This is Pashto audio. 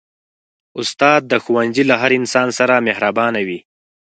استاد د ښوونځي له هر انسان سره مهربانه وي.